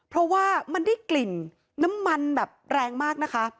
เพราะว่ามันได้กลิ่นน้ำมันแบบแรงมากนะคะ